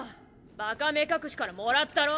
バカ目隠しからもらったろ？